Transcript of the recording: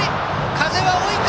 風は追い風！